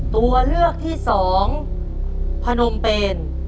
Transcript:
ตัวเลือกที่สองพนมเปน